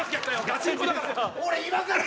ガチンコだから。